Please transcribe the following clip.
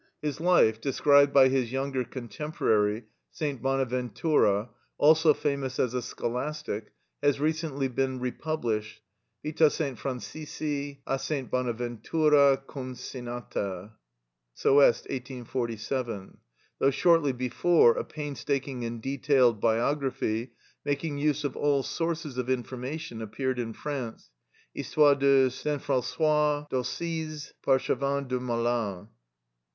His life, described by his younger contemporary, St. Bonaventura, also famous as a scholastic, has recently been republished. "Vita S. Francisci a S. Bonaventura concinnata" (Soest, 1847), though shortly before a painstaking and detailed biography, making use of all sources of information, appeared in France, "Histoire de S. François d'Assise, par Chavin de Mallan" (1845).